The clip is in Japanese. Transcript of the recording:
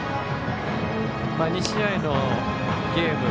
２試合のゲーム